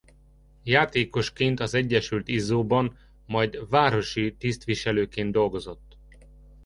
Játékosként az Egyesült Izzóban majd városi tisztviselőként dolgozott.